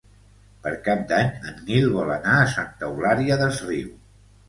Per Cap d'Any en Nil vol anar a Santa Eulària des Riu.